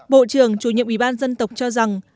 bộ trưởng chủ nhiệm ủy ban dân tộc cho rằng